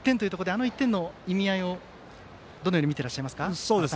あの１点の意味合いをどのように見ていらっしゃいますか。